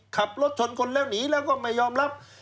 ขับรถชนคนแล้วหนีแล้วก็ไม่ยอมรับ